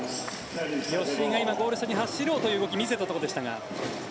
吉井が今ゴール下に走ろうという動きを見せましたが。